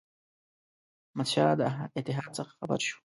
احمدشاه د اتحاد څخه خبر شو.